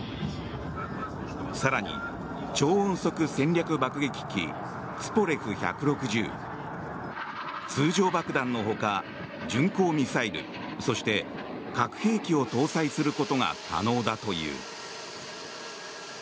更に、超音速戦略爆撃機ツポレフ１６０通常爆弾の他、巡航ミサイルそして、核兵器を搭載することが可能だという。